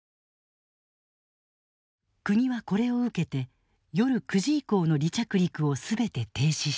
国はこれを受けて夜９時以降の離着陸を全て停止した。